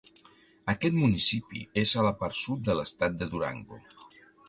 Aquest municipi és a la part sud de l'estat de Durango.